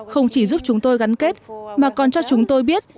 không chỉ giúp chúng tôi gắn kết mà còn cho chúng tôi biết